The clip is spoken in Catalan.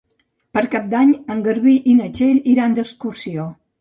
Per Cap d'Any en Garbí i na Txell iran d'excursió.